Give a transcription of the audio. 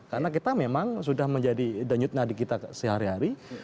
karena kita memang sudah menjadi denyut nadi kita sehari hari